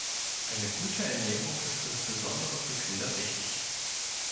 Eine gute Ernährung ist insbesondere für Kinder wichtig.